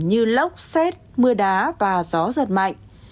như lốc xét mưa đá và gió giật mạnh